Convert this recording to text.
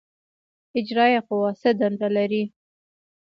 اجرائیه قوه څه دنده لري؟